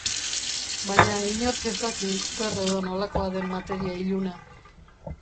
Baina inork ez daki zer edo nolakoa den materia iluna.